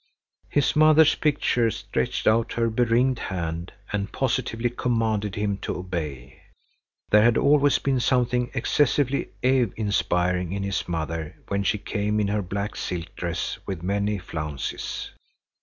His mother's picture stretched out her beringed hand and positively commanded him to obey. There had always been something excessively awe inspiring in his mother when she came in her black silk dress with many flounces.